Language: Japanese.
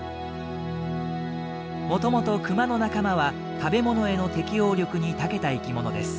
もともとクマの仲間は食べ物への適応力にたけた生きものです。